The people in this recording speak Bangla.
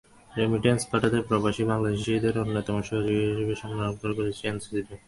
রেমিট্যান্স পাঠাতে প্রবাসী বাংলাদেশিদের অন্যতম সহযোগী হিসেবে সম্মাননা লাভ করেছে এনসিসি ব্যাংক।